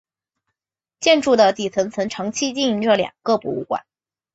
建筑的底层曾长期运营着两个博物馆。